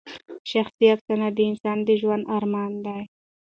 شخصي افسانه د انسان د ژوند ارمان دی.